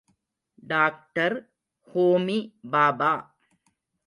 Doctor Homi Baba.